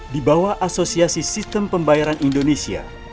di bawah asosiasi sistem pembayaran indonesia